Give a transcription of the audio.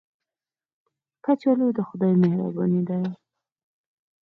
کچالو د خدای مهرباني ده